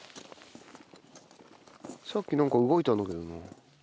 さっきなんか動いたんだけどな。